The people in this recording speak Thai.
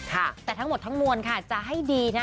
แต่ทั้งหมดทั้งมวลค่ะจะให้ดีนะ